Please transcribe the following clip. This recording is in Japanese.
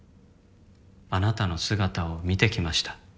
「あなたの姿を見てきました」